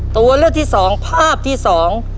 ตัวเลือกที่สองภาพที่สอง